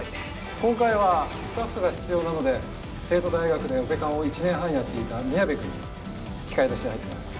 今回はスタッフが必要なので西都大学でオペ看を１年半やっていた宮部君に器械出しに入ってもらいます。